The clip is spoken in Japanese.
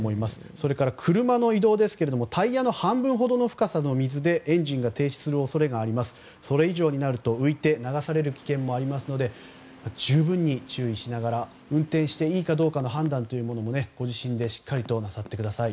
それから車の移動ですがタイヤの半分ほどの深さの水でエンジンが停止する恐れがありそれ以上になると、浮いて流される危険もありますので十分に注意しながら運転していいかどうかの判断もご自身でしっかりとなさってください。